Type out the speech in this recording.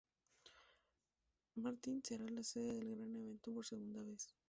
Maarten será la sede del gran evento por segunda vez.